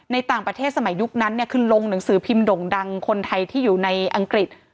ในต่างประเทศสมัยยุคนั้นเนี่ยคือลงหนังสือพิมพ์ด่งดังคนไทยที่อยู่ในอังกฤษ